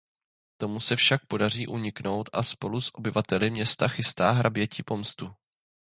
Tomu se však podaří uniknout a spolu s obyvateli města chystá hraběti pomstu.